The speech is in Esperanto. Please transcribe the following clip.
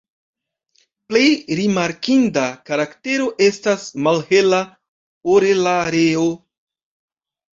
Plej rimarkinda karaktero estas malhela orelareo.